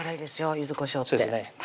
柚子こしょうってそうですね